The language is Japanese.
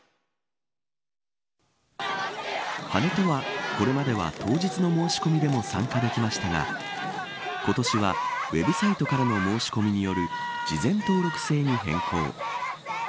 跳人はこれまでは当日の申し込みでも参加できましたが今年は、ウェブサイトからの申し込みによる事前登録制に変更。